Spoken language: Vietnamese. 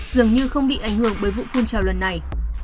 dường như không bị ảnh hưởng bởi vụ phun trào lần này